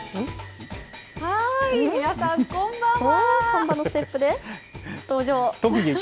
皆さん、こんばんは。